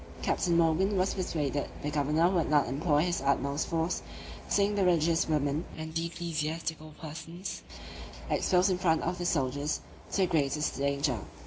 Captain Morgan was persuaded the governor would not employ his utmost force, seeing the religious women, and ecclesiastical persons, exposed in the front of the soldiers to the greatest danger.